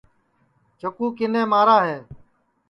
چکُو کِنے مارا ہے